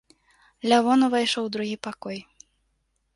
Лявон увайшоў у другі пакой.